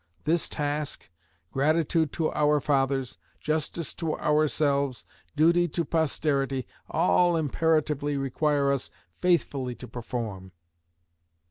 This task, gratitude to our fathers, justice to ourselves, duty to posterity, all imperatively require us faithfully to perform.